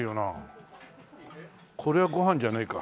これはご飯じゃないか。